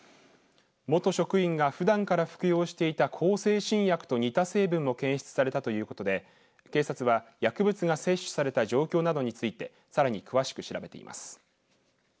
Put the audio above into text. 元職員がふだんから服用していた向精神薬と似た成分も検出されたということで警察は薬物が摂取された状況などについてさらに詳しく調べています。